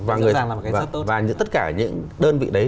và tất cả những đơn vị đấy